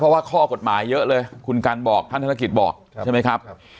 เพราะว่าข้อกฎหมายเยอะเลยคุณกันบอกท่านธนกิจบอกใช่ไหมครับ